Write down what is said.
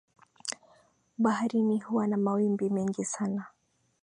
Baharini huwa na mawimbi mengi sana